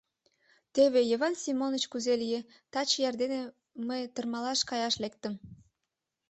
Теве, Йыван Семоныч, кузе лие: таче эрдене мый тырмалаш каяш лектым.